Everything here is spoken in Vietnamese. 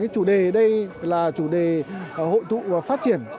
chủ đề đây là chủ đề hội tụ và phát triển